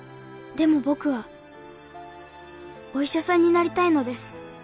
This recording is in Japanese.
「でも僕はお医者さんになりたいのです」